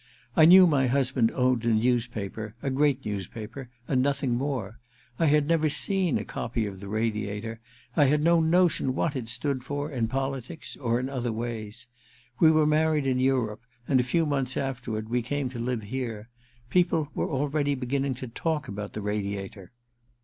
I knew my husband owned a newspaper — a great news paper — and nothing more. I had never seen a copy of the Radiator ; I had no notion what it stood for, in politics— or in other ways. We were married in Europe, and a few months afterward we came to live here. People were already beginning to talk about the Radiator.